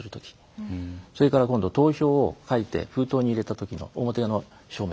それから投票を書いて封筒に入れた時の表の署名。